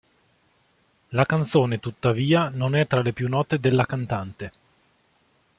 La canzone tuttavia non è tra le più note della cantante.